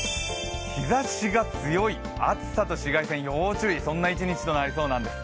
日ざしが強い、暑さと紫外線、要注意、そんな一日となりそうなんです